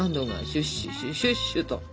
シュッシュシュッシュッシュと。